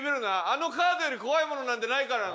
あのカードより怖いものなんてないからな。